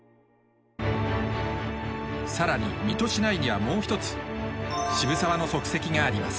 更に水戸市内にはもう一つ渋沢の足跡があります。